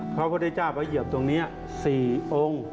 พระพุทธเจ้าพระเหยียบตรงนี้๔องค์